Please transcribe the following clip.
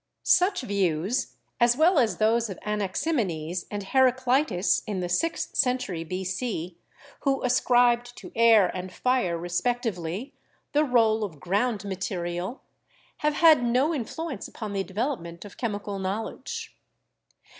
Such views, as well as those of Anaximenes and Heraclitus (in the sixth century B.C.), who ascribed to air and fire respectively the role of ground material, have had no influence upon the development of chemical knowledge.